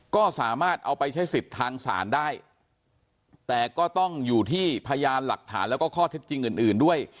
ก็สามารถเอาไปใช้สิทธิ์ทางศาลได้แต่ก็ต้องอยู่ที่พยานหลักฐานแล้วก็ข้อเท็จจริงอื่นอื่นด้วย